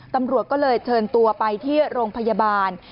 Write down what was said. ตำรวจก็เลยเชิญตัวไปที่โรงพยาบาล